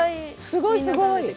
すごいすごい！